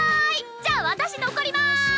じゃあ私残ります！